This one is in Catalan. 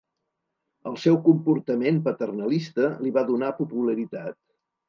El seu comportament paternalista li va donar popularitat.